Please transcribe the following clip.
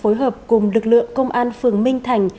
phối hợp cùng lực lượng công an phường minh thành